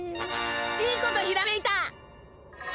いいことひらめいた！